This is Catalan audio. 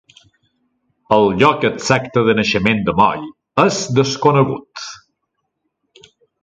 El lloc exacte de naixement de Moll és desconegut.